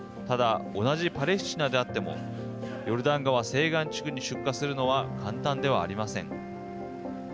ただ、同じパレスチナであってもヨルダン川西岸地区に出荷するのは簡単ではありません。